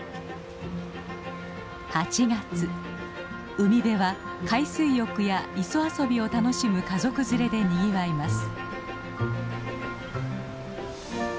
海辺は海水浴や磯遊びを楽しむ家族連れでにぎわいます。